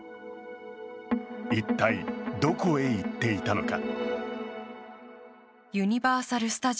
一体、どこへ行っていたのか。